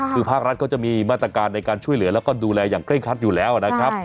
คือภาครัฐเขาจะมีมาตรการในการช่วยเหลือแล้วก็ดูแลอย่างเร่งคัดอยู่แล้วนะครับ